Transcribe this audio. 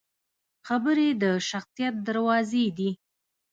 خبرې د شخصیت دروازې دي